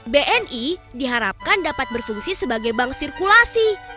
bni diharapkan dapat berfungsi sebagai bank sirkulasi